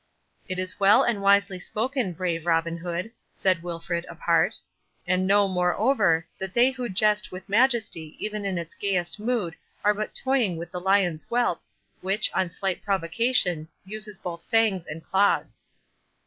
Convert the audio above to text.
"It is well and wisely spoken, brave Robin Hood," said Wilfred, apart; "and know, moreover, that they who jest with Majesty even in its gayest mood are but toying with the lion's whelp, which, on slight provocation, uses both fangs and claws."